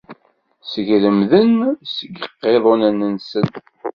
Segremden deg yiqiḍunen-nsen.